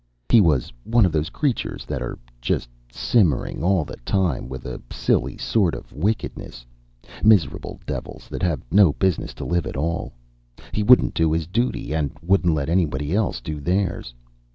He was one of those creatures that are just simmering all the time with a silly sort of wickedness. Miserable devils that have no business to live at all. He wouldn't do his duty and wouldn't let anybody else do theirs.